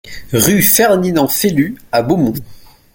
Rue Ferdinand Phelut à Beaumont